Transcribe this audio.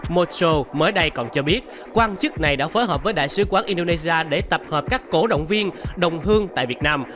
moshow mới đây còn cho biết quan chức này đã phối hợp với đại sứ quán indonesia để tập hợp các cổ động viên đồng hương tại việt nam